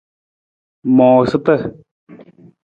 Moosata.